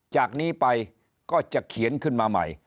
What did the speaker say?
จากนี้ไปก็จะเขียนขึ้นมาใหม่